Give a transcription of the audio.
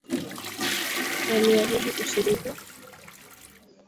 Waliahidi ushirika